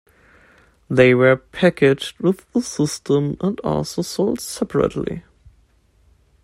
They were packaged with the system and also sold separately.